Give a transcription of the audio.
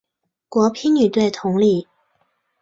国乒女队同理。